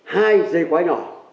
hai dây quá nhỏ